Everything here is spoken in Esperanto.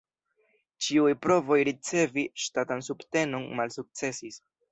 Ĉiuj provoj ricevi ŝtatan subtenon malsukcesis.